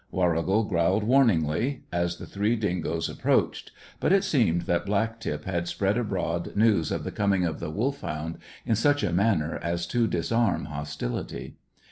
Warrigal growled warningly as the three dingoes approached, but it seemed that Black tip had spread abroad news of the coming of the Wolfhound in such a manner as to disarm hostility.